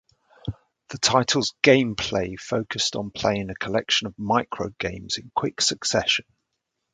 The title's gameplay focused on playing a collection of microgames in quick succession.